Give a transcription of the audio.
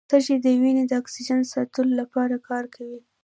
سږي د وینې د اکسیجن ساتلو لپاره کار کوي.